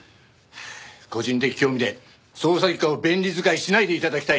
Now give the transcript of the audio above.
個人的興味で捜査一課を便利使いしないで頂きたい！